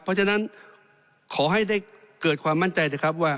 เพราะฉะนั้นขอให้ได้เกิดความมั่นใจนะครับว่า